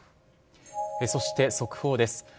そして速報です。